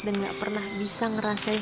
dan gak pernah bisa ngerasain